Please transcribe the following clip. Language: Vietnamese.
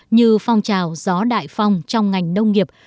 như phong trào gió đại phong trong ngành nông nghiệp